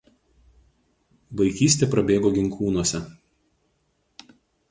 Vaikystė prabėgo Ginkūnuose.